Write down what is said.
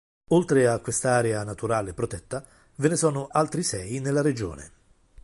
Oltre a quest’area naturale protetta, ve ne sono altri sei nella regione.